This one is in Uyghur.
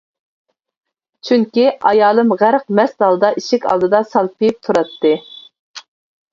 چۈنكى ئايالىم غەرق مەست ھالدا ئىشىك ئالدىدا سالپىيىپ تۇراتتى.